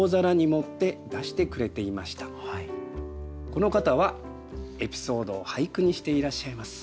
この方はエピソードを俳句にしていらっしゃいます。